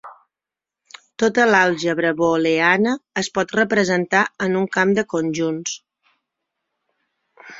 Tota l'àlgebra booleana es pot representar en un camp de conjunts.